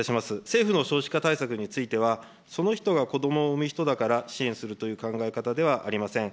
政府の少子化対策については、その人が子どもを産む人だから支援するという考え方ではありません。